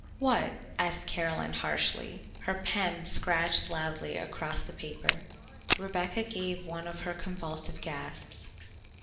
"What?" asked Caroline harshly; her pen scratched loudly across the paper. Rebecca gave one of her convulsive gasps.